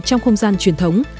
trong không gian truyền thống